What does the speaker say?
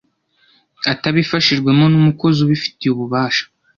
atabifashijwemo n umukozi ubifitiye ububasha